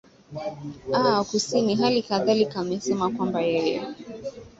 aah kusini halikadhalika amesema kwamba yeye